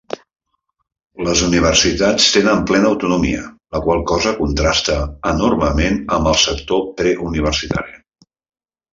Les universitats tenen plena autonomia, la qual cosa contrasta enormement amb el sector preuniversitari.